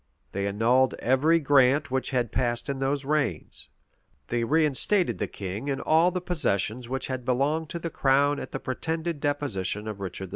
They annulled every grant which had passed in those reigns; they reinstated the king in all the possessions which had belonged to the crown at the pretended deposition of Richard II.